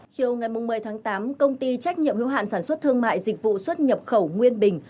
chiều ngày một mươi tháng tám công ty trách nhiệm hiếu hạn sản xuất thương mại dịch vụ xuất nhập khẩu nguyên bình